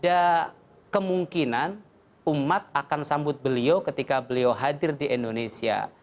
ada kemungkinan umat akan sambut beliau ketika beliau hadir di indonesia